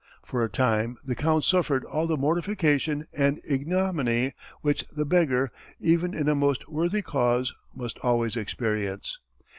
For a time the Count suffered all the mortification and ignominy which the beggar, even in a most worthy cause, must always experience.